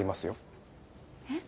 えっ？